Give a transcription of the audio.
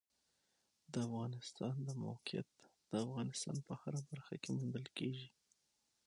د افغانستان د موقعیت د افغانستان په هره برخه کې موندل کېږي.